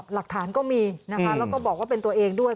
หลักฐานก็มีนะคะแล้วก็บอกว่าเป็นตัวเองด้วย